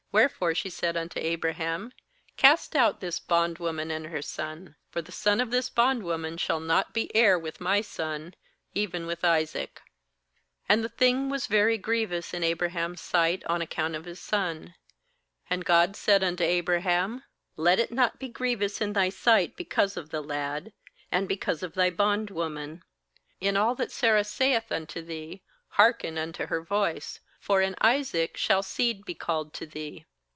"Wherefore she said unto Abraham: 'Cast out this bondwoman and her son; for the son of this bondwoman shall not be heir with my son, even with Isaac.' uAnd the thing was very grievous in Abraham's sight on account of his son. ^And God said unto Abraham: 'Let it not be grievous in thy sight because of the lad, and because of thy bondwoman; in all that Sarah saith unto thee, hearken unto her voice; for in Isaac shall seed be called to thee.